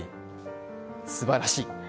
すばらしい。